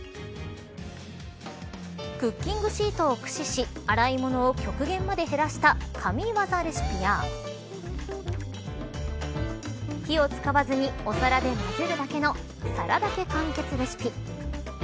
クッキングシートを駆使し洗い物を極限まで減らした紙ワザレシピや火を使わずにお皿で混ぜるだけの皿だけ完結レシピ。